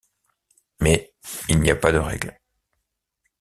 Mais il n'y a pas de règle.